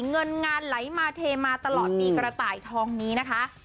เงินงานไหลมาเทมาตลอดปีกระต่ายทองนี้นะคะ